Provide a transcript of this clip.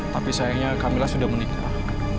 tapi sayangnya kamila sudah menikah